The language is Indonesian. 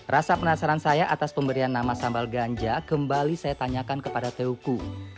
rasa penasaran saya atas pemberian nama sambal ganja kembali saya tanyakan kepada teluku